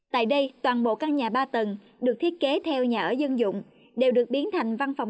tại đây toàn bộ căn nhà ba tầng được thiết kế theo nhà ở dân dụng đều được biến thành văn phòng